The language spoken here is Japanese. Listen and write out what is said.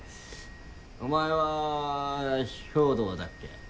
お前は豹堂だっけ？